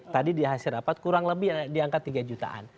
tadi di hasil rapat kurang lebih di angka tiga jutaan